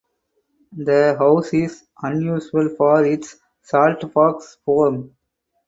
The house is unusual for its saltbox form.